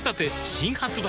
新発売